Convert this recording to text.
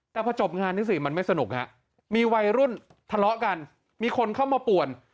แต่พอจบงานนี่สิมันไม่สนุกฮะมีวัยรุ่นทะเลาะกันมีคนเข้ามาป่วน